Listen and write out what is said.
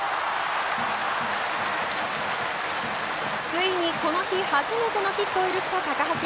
ついにこの日初めてのヒットを許した高橋。